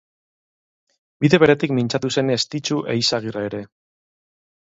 Bide beretik mintzatu zen Estitxu Eizagirre ere.